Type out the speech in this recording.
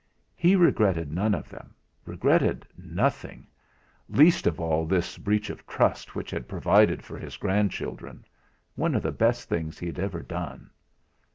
He regretted none of them regretted nothing; least of all this breach of trust which had provided for his grandchildren one of the best things he had ever done.